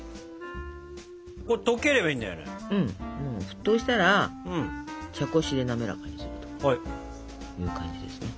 沸騰したら茶こしで滑らかにするという感じですね。